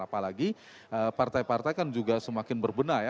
apalagi partai partai kan juga semakin berbenah ya